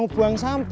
sebelum ng submit